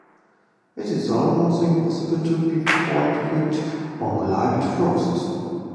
It is almost impossible to pinpoint which one arrived first.